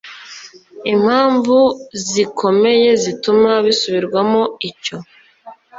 impamvu zikomeye zituma gisubirwamo icyo